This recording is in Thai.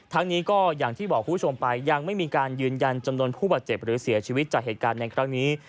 นี้ก็อย่างที่บอกคุณผู้ชมไปยังไม่มีการยืนยันจำนวนผู้บาดเจ็บหรือเสียชีวิตจากเหตุการณ์ในครั้งนี้